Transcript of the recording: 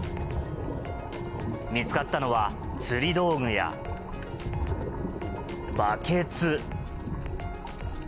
見つかったのは、釣り道具やバケツ。